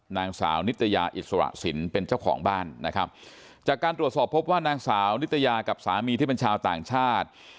นางสาวนิตยาอิสระสินเป็นเจ้าของบ้านนะครับจากการตรวจสอบพบว่านางสาวนิตยากับสามีที่เป็นชาวต่างชาติ